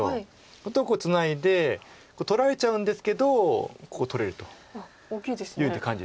あとはツナいで取られちゃうんですけどここ取れるという感じです。